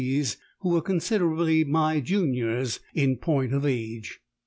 C.s who were considerably my juniors in point of age.